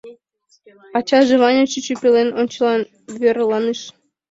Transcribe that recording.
Ачаже Ваня чӱчӱ пелен ончылан верланыш.